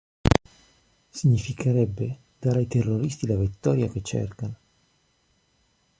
Significherebbe dare ai terroristi la vittoria che cercano.